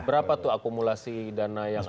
berapa tuh akumulasi dana yang